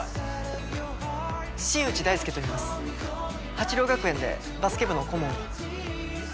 鉢涼学園でバスケ部の顧問を。